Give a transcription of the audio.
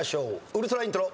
ウルトライントロ。